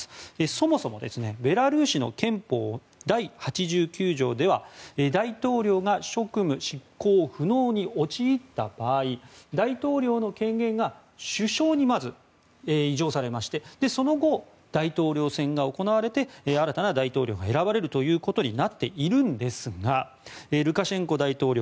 そもそもベラルーシの憲法第８９条では大統領が職務執行不能に陥った場合大統領の権限が首相にまず移譲されましてその後、大統領選が行われて新たな大統領が選ばれるということになっているんですがルカシェンコ大統領